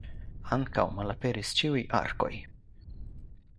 Ankaŭ malaperis ĉiuj arkoj.